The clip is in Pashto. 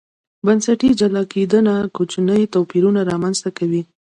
بنسټي جلا کېدنه کوچني توپیرونه رامنځته کوي.